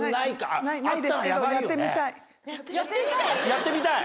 やってみたい？